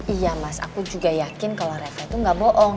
iya mas aku juga yakin ke olahraga itu gak bohong